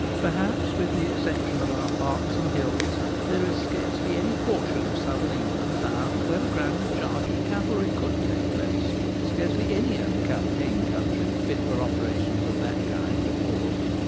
Perhaps with the exception of our parks and hills, F 66 The Gamekeeper at Home. there is scarcely any portion of southern England now where a grand charge of cavalry could take place — scarcely any open champaign country fit for operations of that kind with horse.